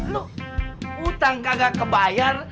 lo utang kagak kebayar